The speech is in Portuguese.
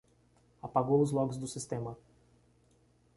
Apagou os logs do sistema.